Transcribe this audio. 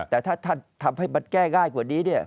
แต่ถ้าทำให้มันแก้ง่ายกว่านี้เนี่ย